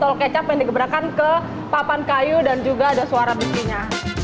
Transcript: tol kecap yang digebrakan ke papan kayu dan juga ada suara misinya